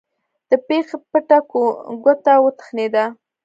د پښې بټه ګوته وتخنېده.